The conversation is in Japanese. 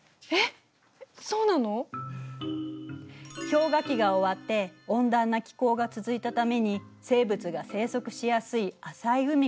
氷河期が終わって温暖な気候が続いたために生物が生息しやすい浅い海が広がったから。